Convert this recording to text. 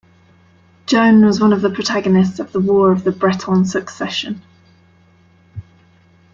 Joan was one of the protagonists of the War of the Breton Succession.